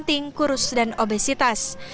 stunting kurus dan obesitas